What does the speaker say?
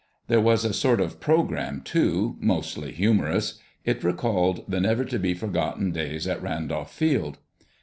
There was a sort of program, too, mostly humorous. It recalled the never to be forgotten days at Randolph Field.